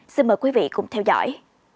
xin mời quý vị cùng theo dõi